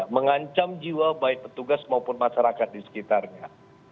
mengancam jiwa baik petugas maupun masyarakat di sekitarnya